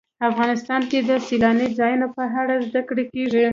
افغانستان کې د سیلانی ځایونه په اړه زده کړه کېږي.